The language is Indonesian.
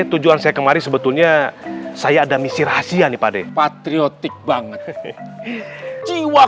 tujuan saya kemarin sebetulnya saya ada misi rahasia nih pak deh patriotik banget jiwa